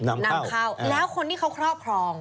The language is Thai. นำเข้าแล้วคนที่เขาครอบครอง